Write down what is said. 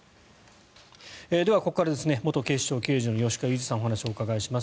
では、ここからは元警視庁刑事の吉川祐二さん、お話を伺います。